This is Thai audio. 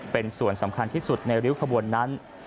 เป็นส่วนสำคัญที่สุดในริ้วขบวนนั้น